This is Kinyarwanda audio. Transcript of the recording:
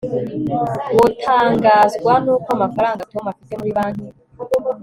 wotangazwa nuko amafaranga tom afite muri banki